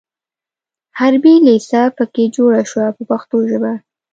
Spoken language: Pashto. حربي لېسه په کې جوړه شوه په پښتو ژبه.